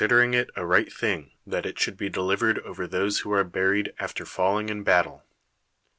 Slightly abridged. IG PERICLES should be delivered over those who are buried after falling in battle.